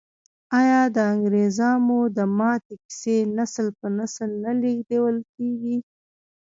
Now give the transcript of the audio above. آیا د انګریزامو د ماتې کیسې نسل په نسل نه لیږدول کیږي؟